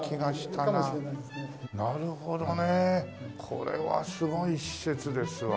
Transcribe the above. これはすごい施設ですわ。